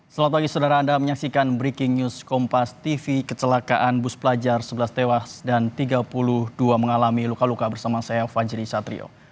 selamat pagi saudara anda menyaksikan breaking news kompas tv kecelakaan bus pelajar sebelas tewas dan tiga puluh dua mengalami luka luka bersama saya fajri satrio